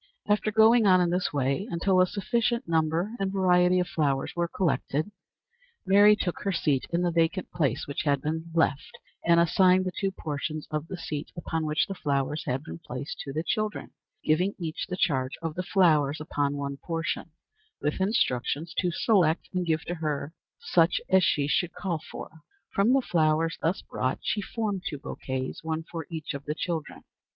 After going on in this way until a sufficient number and variety of flowers were collected, Mary took her seat in the vacant place which had been left, and assigned the two portions of the seat upon which the flowers had been placed to the children, giving each the charge of the flowers upon one portion, with instructions to select and give to her such as she should call for. From the flowers thus brought she formed two bouquets, one for each of the children.